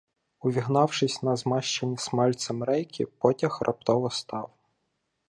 Увігнавшись на змащені смальцем рейки, потяг раптово став.